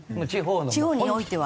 地方においては？